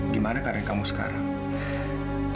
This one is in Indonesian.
gimana keadaan kamu sekarang